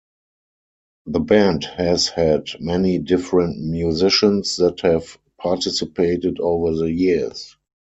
The band has had many different musicians that have participated over the years.